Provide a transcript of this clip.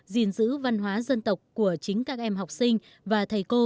gìn giữ văn hóa dân tộc của chính các em học sinh và thầy cô